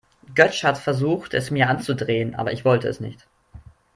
Götsch hat versucht, es mir anzudrehen, aber ich wollte es nicht.